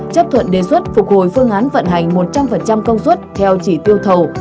chấp thuận đề xuất phục hồi phương án vận hành một trăm linh công suất theo chỉ tiêu thầu